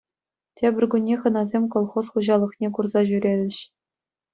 Тепӗр кунне хӑнасем колхоз хуҫалӑхне курса ҫӳрерӗҫ.